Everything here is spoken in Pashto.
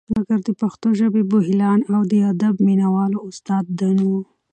مګر د پښتو ژبې پوهیالان او د ادب مینه والو استا دانو